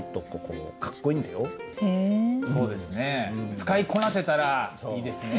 使いこなせたらいいですね。